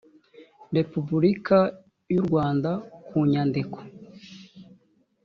repubulika y’u rwanda ku nyandiko